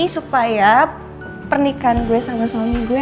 supaya pernikahan gue sama suami gue